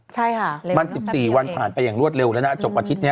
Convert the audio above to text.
ใช่ค่ะเร็วน้ำตัดอีกมัน๑๔วันผ่านไปอย่างรวดเร็วแล้วนะจบอาทิตย์นี้